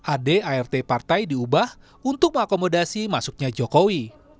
adart partai diubah untuk mengakomodasi masuknya jokowi